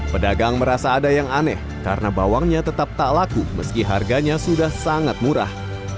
pedagang merasa ada yang aneh karena bawangnya tetap tak laku meski harganya sudah sangat murah